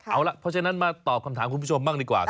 เอาล่ะเพราะฉะนั้นมาตอบคำถามคุณผู้ชมบ้างดีกว่า